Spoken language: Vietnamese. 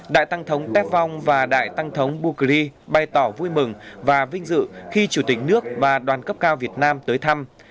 đại tăng thống tec phong và đại tăng thống bukri bày tỏ vui mừng và vinh dự khi chủ tịch nước và đoàn cấp cao việt nam tới thăm